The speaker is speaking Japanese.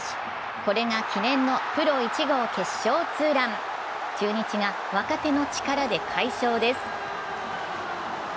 これが記念のプロ１号決勝ツーラン中日が若手の力で快勝です。